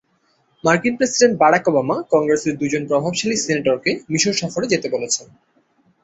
মার্কিন president Barack Obama কংগ্রেসের দুজন প্রভাবশালী সিনেটরকে মিসর সফরে যেতে বলেছেন।